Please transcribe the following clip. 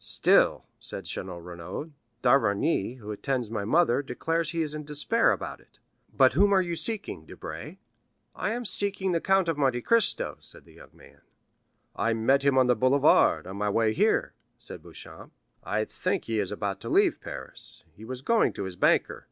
"Still," said Château Renaud, "Dr. d'Avrigny, who attends my mother, declares he is in despair about it. But whom are you seeking, Debray?" "I am seeking the Count of Monte Cristo" said the young man. "I met him on the boulevard, on my way here," said Beauchamp. "I think he is about to leave Paris; he was going to his banker."